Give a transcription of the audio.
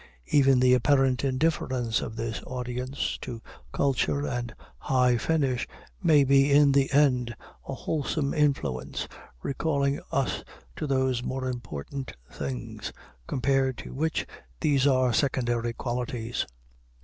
Even the apparent indifference of this audience to culture and high finish may be in the end a wholesome influence, recalling us to those more important things, compared to which these are secondary qualities.